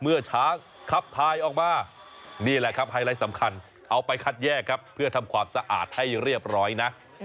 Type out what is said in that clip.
เมื่อช้างคับทายออกมานี่แหละครับไฮไลท์สำคัญเอาไปคัดแยกครับเพื่อทำความสะอาดให้เรียบร้อยนะ